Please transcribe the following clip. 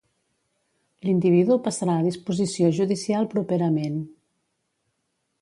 L'individu passarà a disposició judicial properament.